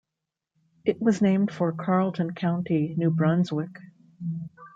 It was named for Carleton County, New Brunswick.